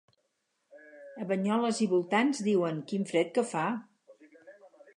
A Banyoles i voltants diuen: Quina fred que fa